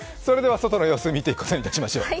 外の様子見ていくことにいたしましょう。